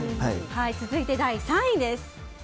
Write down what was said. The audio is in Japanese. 続いて第３位です。